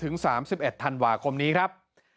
๓๑ธันวาคมนี้ครับ